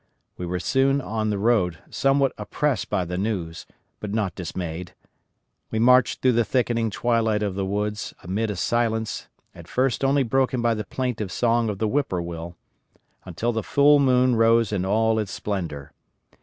We were soon on the road, somewhat oppressed by the news, but not dismayed. We marched through the thickening twilight of the woods amid a silence at first only broken by the plaintive song of the whip poor will, until the full moon rose in all its splendor.